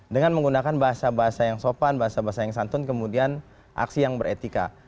dengan menggunakan bahasa bahasa yang sopan bahasa bahasa yang santun kemudian aksi yang beretika